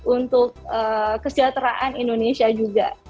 untuk kesejahteraan indonesia juga